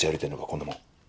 こんなもん。